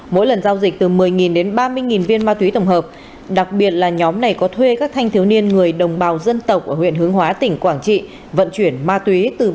mỗi lần giao dịch từ một mươi đến ba mươi viên ma túy tổng hợp đặc biệt là nhóm này có thuê các thanh thiếu niên người đồng bào dân tộc ở huyện hướng hóa tỉnh quảng trị vận chuyển ma túy từ biên giới về nội địa